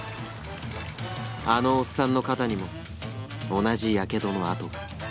あのおっさんの肩にも同じやけどの痕が